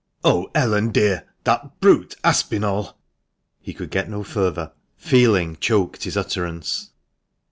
"Oh, Ellen, dear! that brute Aspinall ." He could get no further. Feeling choked his utterance.